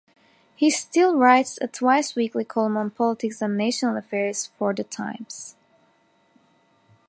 He still writes a twice-weekly column on politics and national affairs for "The Times".